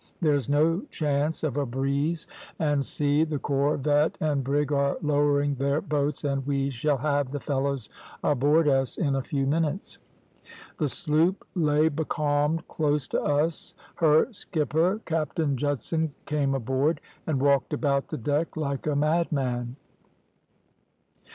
`There's no chance of a breeze, and see, the corvette and brig are lowering their boats, and we shall have the fellows aboard us in a few minutes.' "The sloop lay becalmed close to us; her skipper, Captain Judson, came aboard, and walked about the deck like a madman.